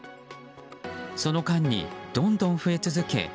その間にどんどん増え続け